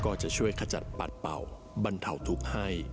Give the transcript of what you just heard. ก็จะช่วยขจัดปัดเป่าบรรเทาทุกข์ให้